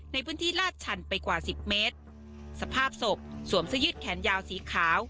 ในพื้นที่ลาดชันไปกว่าสิบเมตรสภาพศพสวมเสื้อยืดแขนยาวสีขาว